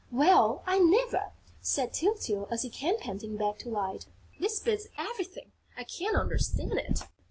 "Well, I never!" said Tyltyl, as he came panting back to Light. "This beats everything! I can't understand it!"